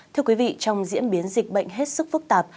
thưa quý vị trong diễn biến dịch bệnh hết sức phức tạp